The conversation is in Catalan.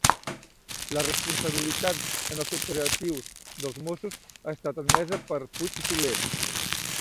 La responsabilitat en els operatius dels Mossos ha estat admesa per Puig i Soler